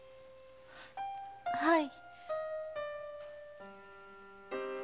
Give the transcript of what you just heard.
はい。